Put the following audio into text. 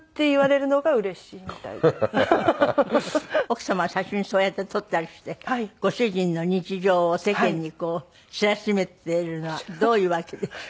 奥様は写真そうやって撮ったりしてご主人の日常を世間に知らしめているのはどういう訳ですか？